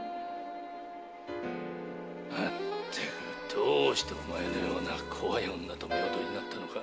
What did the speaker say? まったくどうしてお前のような怖い女と夫婦になったのか。